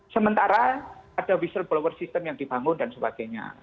sementara ada whistleblower system yang dibangun dan sebagainya